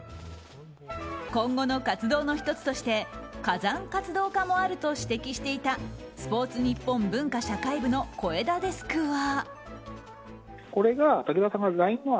今後の活動の１つとして火山活動家もあると指摘していたスポーツニッポン文化社会部の小枝デスクは。